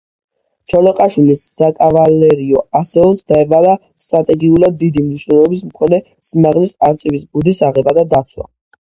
ჩოლოყაშვილის საკავალერიო ასეულს დაევალა სტრატეგიულად დიდი მნიშვნელობის მქონე სიმაღლის, „არწივის ბუდის“ აღება და დაცვა.